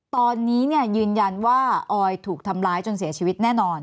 ตอนนี้ยืนยันว่าออยถูกทำร้ายจนเสียชีวิตแน่นอน